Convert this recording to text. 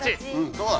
どうだ？